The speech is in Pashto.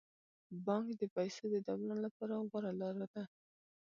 بانک د پيسو د دوران لپاره غوره لاره ده.